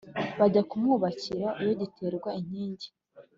bajya ku mwubakira iyo giterwa inkingi